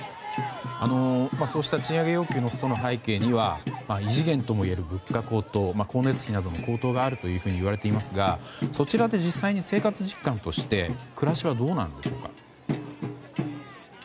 そうした賃上げ要求のストの背景には異次元ともいえる物価高騰光熱費などの高騰があるといわれていますがそちらで、実際に生活実感として暮らしはどうなんでしょうか？